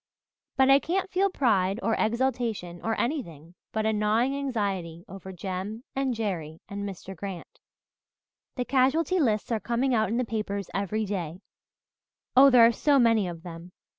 But I can't feel pride or exultation or anything but a gnawing anxiety over Jem and Jerry and Mr. Grant. The casualty lists are coming out in the papers every day oh, there are so many of them.